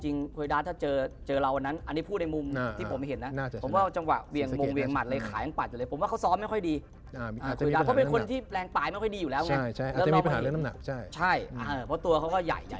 จริงเขาเป็นคนเหมือนกับไม่ค่อยขยันซ้อม